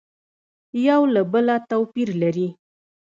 یو له بله تو پیر لري